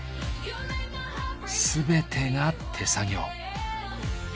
全てが手作業。